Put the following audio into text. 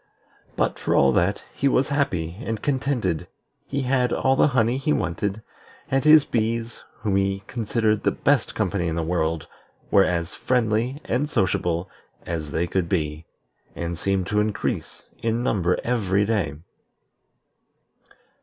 But, for all that, he was happy and contented; he had all the honey he wanted, and his bees, whom he considered the best company in the world, were as friendly and sociable as they could be, and seemed to increase in number every day.